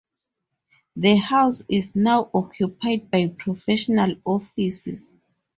The house is now occupied by professional offices.